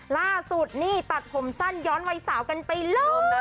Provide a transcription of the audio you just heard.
ล่าสุดนี่ตัดผมสั้นย้อนวัยสาวกันไปเริ่มนะ